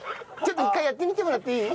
１回やってみてもらっていい？